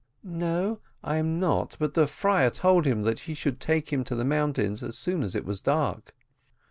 "No, I am not; but the friar told him that he should take him to the mountains as soon as it was dark."